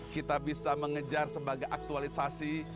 kita bisa mengejar sebagai aktualisasi